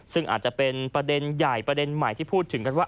ซึ่งอาจจะเป็นประเด็นใหญ่ประเด็นใหม่ที่พูดถึงกันว่า